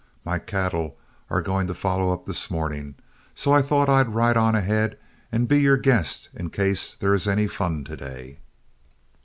My cattle are going to follow up this morning, so I thought I'd ride on ahead and be your guest in case there is any fun to day."